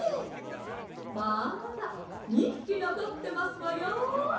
「まだ２ひきのこってますわよ」。